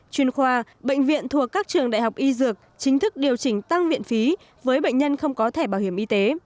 chuyên khoa bệnh viện thuộc các trường đại học y dược chính thức điều chỉnh tăng viện phí với bệnh nhân không có thẻ bảo hiểm y tế